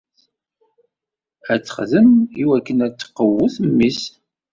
Ad texdem iwakken ad tqewwet mmi-s.